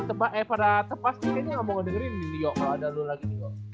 ini kayanya nanti pada tepas kayaknya gak mau ngedengerin nih yo kalo ada lu lagi nih yo